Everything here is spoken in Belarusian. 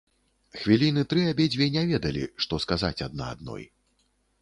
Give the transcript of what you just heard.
Хвіліны тры абедзве не ведалі, што сказаць адна адной.